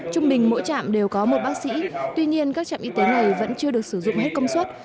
trong trạm đều có một bác sĩ tuy nhiên các trạm y tế này vẫn chưa được sử dụng hết công suất